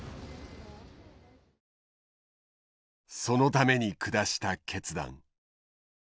そのために下した決断。